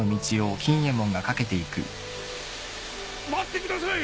待ってください